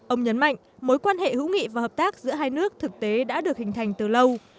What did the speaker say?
ông nhấn mạnh mối quan hệ hữu nghị và hợp tác giữa hai nước thực tế đã được hình thành từ lâu